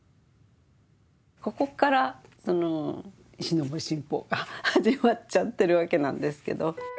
ここから石森信奉が始まっちゃってるわけなんですけど。